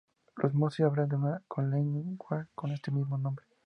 Los Mossi hablan una lengua con este mismo nombre.